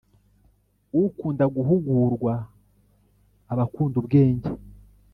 ukunda guhugurwa aba akunda ubwenge,